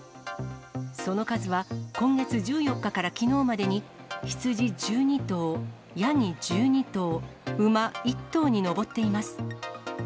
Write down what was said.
その数は、今月１４日からきのうまでに、羊１２頭、ヤギ１２頭、馬１頭に上っています。